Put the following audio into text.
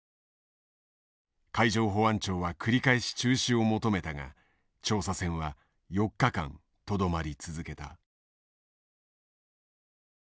海上保安庁は繰り返し中止を求めたが調査船は４日間とどまり続けた。